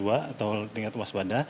atau tingkat waspada